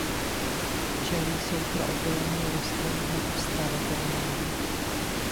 Včely jsou pro opylení rostlin nepostradatelné.